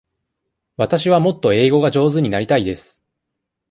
わたしはもっと英語が上手になりたいです。